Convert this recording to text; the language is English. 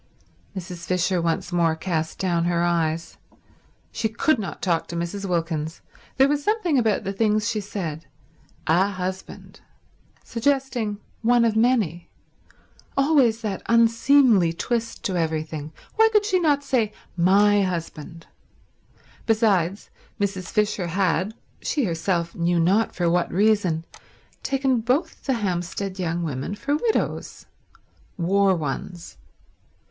Mrs. Fisher once more cast down her eyes. She could not talk to Mrs. Wilkins. There was something about the things she said. .. "A husband." Suggesting one of many. Always that unseemly twist to everything. Why could she not say "My husband"? Besides, Mrs. Fisher had, she herself knew not for what reason, taken both the Hampstead young women for widows. War ones.